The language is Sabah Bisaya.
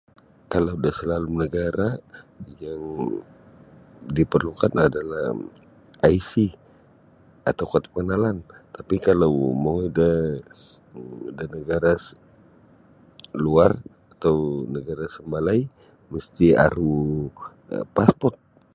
Kalau da salalum nagara' yang diporlukan adalah aisi atau kad panganalan tapi kalau mongoi da nagara'-nagara' luar atau nagara' sambalai misti aru um passport.